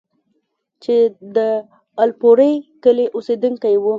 چې د الپورۍ کلي اوسيدونکی وو،